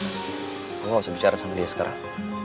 aku gak usah bicara sama dia sekarang